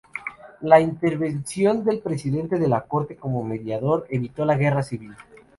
La intervención del presidente de la Corte como mediador evitó la guerra civil.